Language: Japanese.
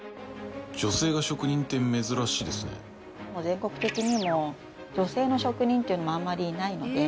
全国的にも女性の職人ってあんまりいないので。